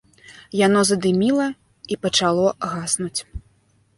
Яно задыміла і пачало гаснуць.